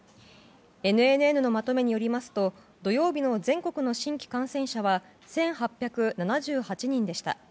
ＮＮＮのまとめによりますと土曜日の全国の新規感染者は１８７８人でした。